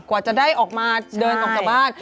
กว่าจะได้ออกมาเดินออกจากบ้าน